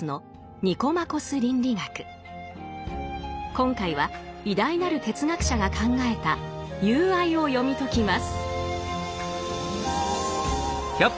今回は偉大なる哲学者が考えた「友愛」を読み解きます。